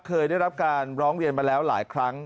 เคยได้รับการร้องเรียนมาแล้วหลายครั้ง